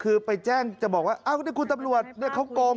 คือไปแจ้งจะบอกว่าชุดตำรวจเขากรม